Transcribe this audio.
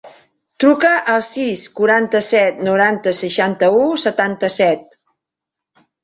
Truca al sis, quaranta-set, noranta, seixanta-u, setanta-set.